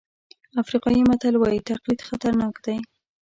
افریقایي متل وایي تقلید خطرناک دی.